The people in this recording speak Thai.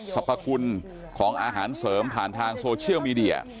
สรรพคุณของอาหารเสริมผ่านทางโซเชียลมีเดีย